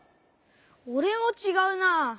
おれもちがうなあ。